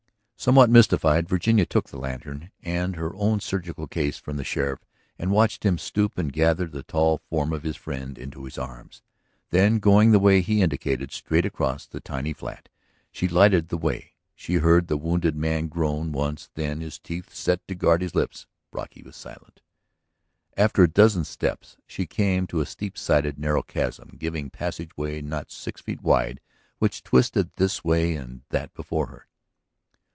Somewhat mystified, Virginia took the lantern and her own surgical case from the sheriff and watched him stoop and gather the tall form of his friend into his arms. Then going the way he indicated, straight across the tiny flat, she lighted the way. She heard the wounded man groan once; then, his teeth set to guard his lips, Brocky was silent. After a dozen steps she came to a steep sided, narrow chasm giving passageway not six feet wide which twisted this way and that before her.